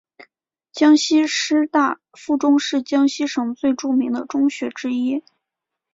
江西师大附中是江西省最著名的中学之一。